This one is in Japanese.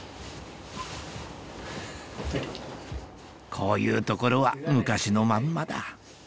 こういうところは昔のまんまだ